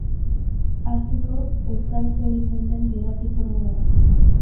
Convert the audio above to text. Hasteko, euskaraz egiten den irrati formula da.